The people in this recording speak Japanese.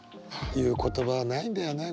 言う言葉ないんだよね。